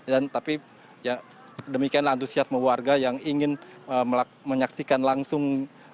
dan tapi demikianlah antusiasme warga yang ingin menyaksikan langsung